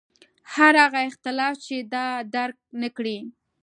هر هغه اختلاف چې دا درک نکړي.